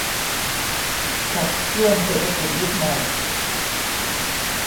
ขับเคลื่อนเศรษฐกิจยุคใหม่